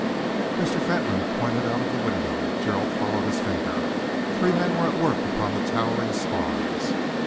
Mr. Fentolin pointed out of the window. Gerald followed his finger. Three men were at work upon the towering spars.